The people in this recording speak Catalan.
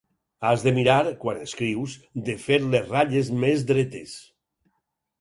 Has de mirar, quan escrius, de fer les ratlles més dretes!